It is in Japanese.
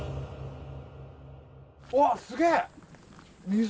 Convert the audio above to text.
うわっすげえ！